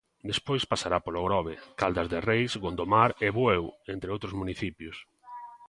Despois pasará polo Grove, Caldas de Reis, Gondomar e Bueu, entre outros municipios.